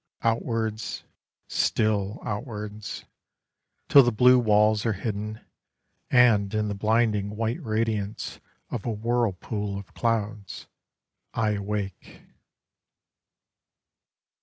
Outwards, still outwards, Till the blue walls are hidden, And in the blinding white radiance Of a whirlpool of clouds, I awake.